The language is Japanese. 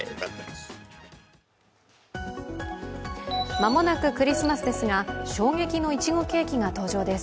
間もなくクリスマスですが衝撃のいちごケーキが登場です。